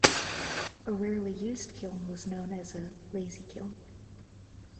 A rarely used kiln was known as a "lazy kiln".